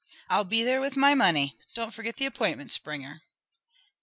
"I'll be there with my money. Don't forget the appointment, Springer."